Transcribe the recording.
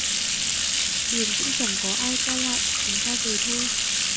Đường cũng chẳng có ai qua lại, chúng ta về thôi